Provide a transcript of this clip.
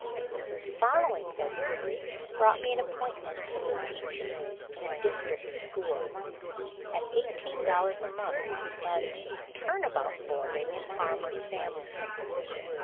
The following February brought me an appointment as teacher in a district school, at eighteen dollars a month and "turnabout" boarding in farmers' families.